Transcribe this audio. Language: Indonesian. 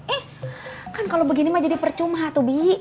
eh kan kalau begini mah jadi percuma tuh bi